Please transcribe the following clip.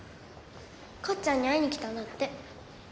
かっちゃんに会いにきたんだって。